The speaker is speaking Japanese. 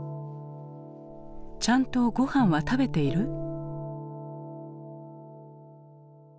「ちゃんとごはんは食べている？」。